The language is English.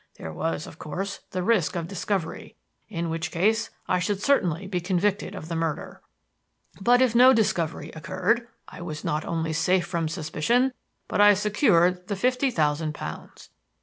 There was, of course, the risk of discovery, in which case I should certainly be convicted of the murder. But if no discovery occurred, I was not only safe from suspicion, but I secured the fifty thousand pounds.